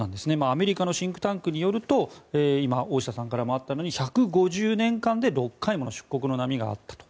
アメリカのシンクタンクによると今、大下さんからもあったように１５０年間で６回もの出国の波があったと。